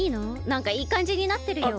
なんかいいかんじになってるよ。